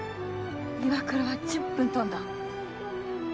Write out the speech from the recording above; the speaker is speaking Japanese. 岩倉は１０分飛んだ。